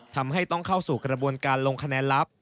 ทำให้ต้องเข้าสู่กระบวนการลงคะแนนลับ